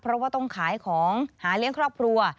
เพราะว่าต้องขายของหาเลี้ยงครอบครัว